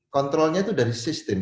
kontrolnya itu dari sistem